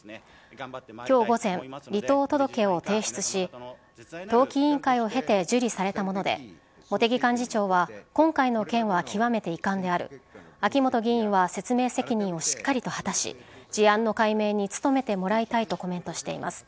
今日午前、離党届を提出し党紀委員会を経て受理されたもので茂木幹事長は今回の件は極めて遺憾である秋本議員は説明責任をしっかりと果たし事案の解明に努めてもらいたいとコメントしています。